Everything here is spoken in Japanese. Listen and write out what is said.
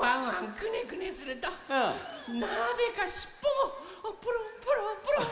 クネクネするとなぜかしっぽもプルンプルンプルン。